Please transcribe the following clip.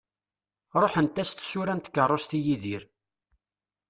Ruḥent-as tsura n tkerrust i Yidir.